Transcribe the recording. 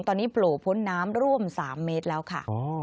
ตอนนี้โผล่พ้นน้ำร่วม๓เมตรแล้วค่ะ